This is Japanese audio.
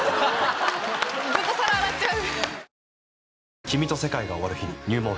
ずっと皿洗っちゃう。